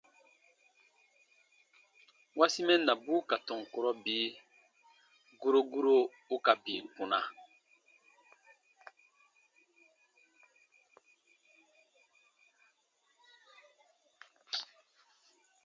- wasi mɛnnabu ka tɔn kurɔ bii : guro guro ù ka bii kpuna.